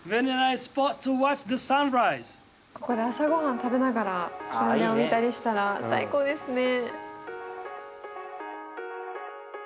ここで朝ごはん食べながら日の出を見たりしたら最高ですね。